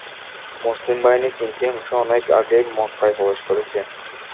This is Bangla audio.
মুসলিম বাহিনীর তিনটি অংশ অনেক আগেই মক্কায় প্রবেশ করেছে।